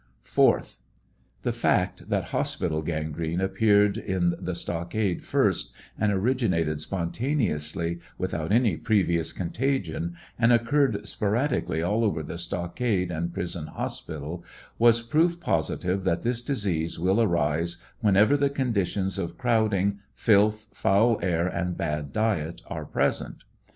4th. The fact that hospital gangi'ene appeared in the stockade first, and originated spontaneously without any previous contagion, and occurred sporadically all over the stockade and prison hospital, was proof positive that this disease will arise whenever the conditions of crowding, filth, foul air, and bad diet are present.